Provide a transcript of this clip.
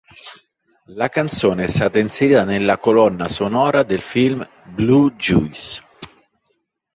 La canzone è stata inserita nella colonna sonora del film "Blue Juice".